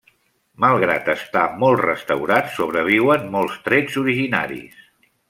Malgrat estar molt restaurat, sobreviuen molts trets originaris.